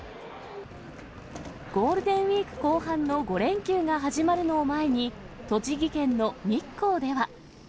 ゴールデンウィーク後半の５連休が始まるのを前に、栃木県の日光では。